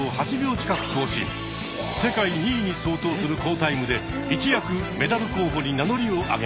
世界２位に相当する好タイムで一躍メダル候補に名乗りを上げました。